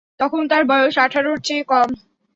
তখন তার বয়স আঠারোর চেয়ে কম।